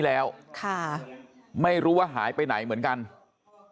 แล้วตามหายาดของแม่ลูกคู่นี้